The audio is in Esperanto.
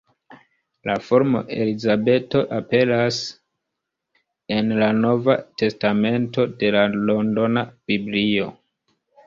La formo Elizabeto aperas en la Nova testamento de la Londona Biblio.